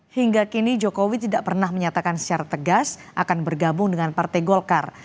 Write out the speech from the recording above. hingga kini jokowi tidak pernah menyatakan secara tegas akan bergabung dengan partai golkar